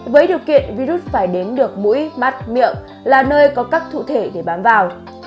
với điều kiện virus phải đến được mũi mắt miệng là nơi có các cụ thể để bám vào